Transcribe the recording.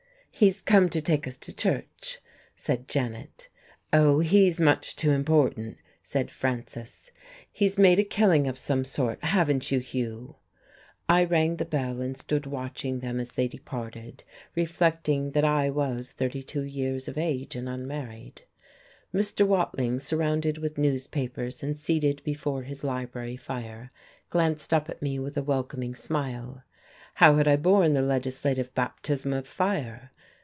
"He's come to take us to church," said Janet. "Oh, he's much too important," said Frances. "He's made a killing of some sort, haven't you, Hugh?"... I rang the bell and stood watching them as they departed, reflecting that I was thirty two years of age and unmarried. Mr. Watling, surrounded with newspapers and seated before his library fire, glanced up at me with a welcoming smile: how had I borne the legislative baptism of fire?